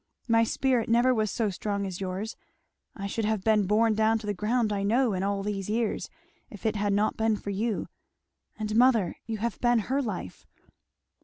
My spirit never was so strong as yours; I should have been borne to the ground, I know, in all these years, if it had not been for you; and mother you have been her life."